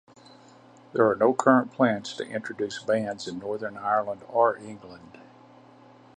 There are no current plans to introduce bans in Northern Ireland or England.